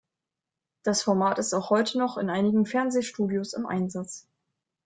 Das Format ist auch heute noch in einigen Fernsehstudios im Einsatz.